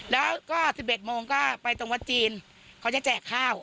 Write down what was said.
แล้วก็๑๑โมงก็ไปตรงวัดจีนเขาจะแจกข้าว